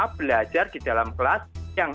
belajar di dalam kelas yang